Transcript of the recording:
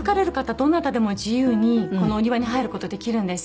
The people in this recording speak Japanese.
どなたでも自由にこのお庭に入る事できるんです。